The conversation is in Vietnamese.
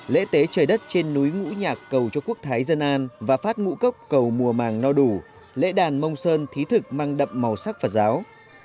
lễ tế trời đất trên núi ngũ nhạc cầu cho quốc thái dân an và phát ngũ cốc cầu mùa màng no đủ lễ đàn mông sơn thí thực mang đậm màu sắc phật giáo